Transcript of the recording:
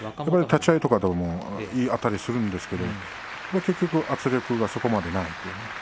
立ち合いとかいいあたりをするんですけども結局圧力がそこまでないですね。